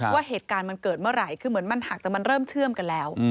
ว่าเหตุการณ์มันเกิดเมื่อไหร่คือเหมือนมันหักแต่มันเริ่มเชื่อมกันแล้ว